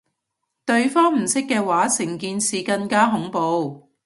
雙方唔識嘅話成件事更加恐怖